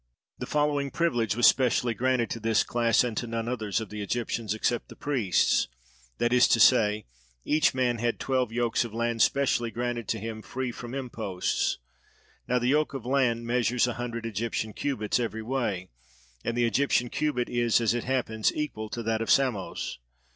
The following privilege was specially granted to this class and to none others of the Egyptians except the priests, that is to say, each man had twelve yokes of land specially granted to him free from imposts: now the yoke of land measures a hundred Egyptian cubits every way, and the Egyptian cubit is, as it happens, equal to that of Samos.